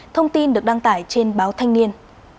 thông tin được đăng tải trên báo thanh niên